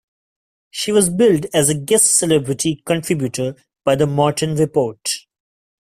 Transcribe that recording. She was billed as a "Guest celebrity contributor" by "The Morton Report".